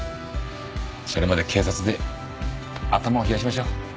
それまで警察で頭を冷やしましょう。